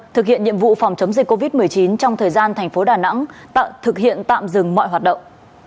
thực hiện nhiệm vụ phòng chống dịch covid một mươi chín trong thời gian thành phố đà nẵng thực hiện tạm dừng mọi hoạt động